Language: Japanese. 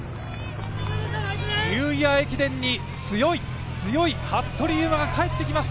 ニューイヤー駅伝に強い、強い服部勇馬が帰ってきました。